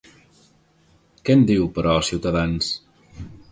Què en diu, però, Ciutadans?